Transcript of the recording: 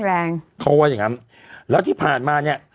แรงเขาว่าอย่างงั้นแล้วที่ผ่านมาเนี้ย